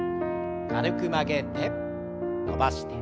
軽く曲げて伸ばして。